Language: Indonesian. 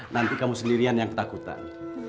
nanti kamu sendirian yang ketakutan